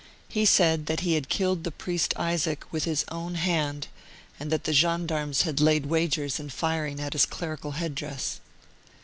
He said that he had killed the priest Isaac with his own hand, and that the gen darmes had laid wagers in firing at his clerical head dress.